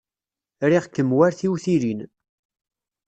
Riɣ-kem war tiwtilin.